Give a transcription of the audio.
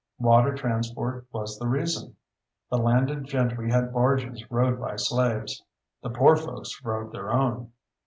Water transport was the reason. The landed gentry had barges rowed by slaves. The poor folks rowed their own.